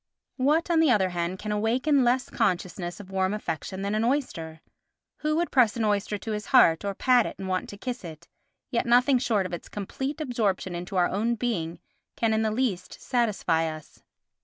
What, on the other hand, can awaken less consciousness of warm affection than an oyster? Who would press an oyster to his heart, or pat it and want to kiss it? Yet nothing short of its complete absorption into our own being can in the least satisfy us.